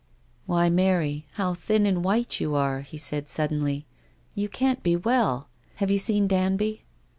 "Why, Mary, how thin and white you are !" he said, suddenly. " You can't be well. Have you seen Danby